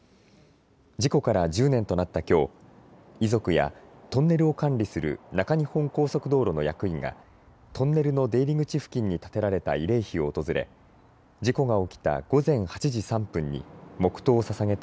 事故から１０年となったきょう、遺族やトンネルを管理する中日本高速道路の役員がトンネルの出入り口付近に建てられた慰霊碑を訪れ事故が起きた午前８時３分に黙とうをささげた